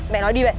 mẹ nói đi vậy